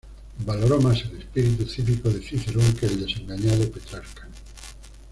Valoró más el espíritu cívico de Cicerón que el desengañado Petrarca.